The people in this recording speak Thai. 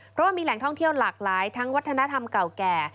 เพราะว่ามีแหล่งท่องเที่ยวหลากหลายทั้งวัฒนธรรมเก่าแก่